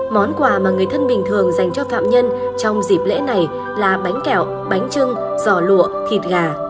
món quà mà người thân bình thường dành cho phạm nhân trong dịp lễ này là bánh kẹo bánh trưng giò lụa thịt gà